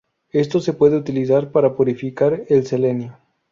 Esto se puede utilizar para purificar el selenio.